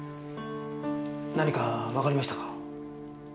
何かわかりましたか？